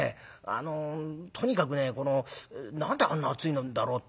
とにかくね何であんな熱いんだろうって。